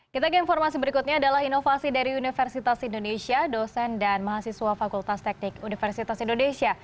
kita ke informasi berikutnya adalah inovasi dari universitas indonesia dosen dan mahasiswa fakultas teknik universitas indonesia